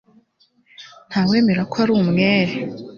Ntawe wemera ko ari umwere